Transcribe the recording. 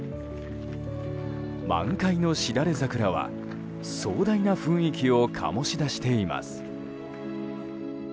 満開のしだれ桜は壮大な雰囲気を醸し出しています。